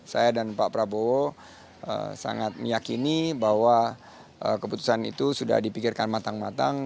saya dan pak prabowo sangat meyakini bahwa keputusan itu sudah dipikirkan matang matang